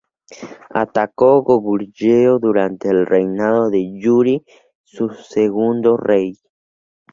Atacó Goguryeo durante el reinado de Yuri, su segundo rey.